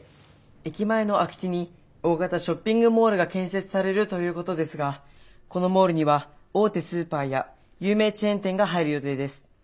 駅前の空き地に大型ショッピングモールが建設されるということですがこのモールには大手スーパーや有名チェーン店が入る予定です。